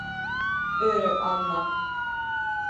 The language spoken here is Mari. — Ӧрӧ Анна.